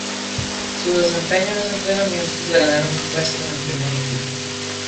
Su desempeño en los entrenamientos le ganaron un puesto en el primer equipo.